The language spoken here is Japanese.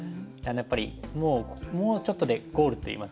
やっぱりもうちょっとでゴールといいますかね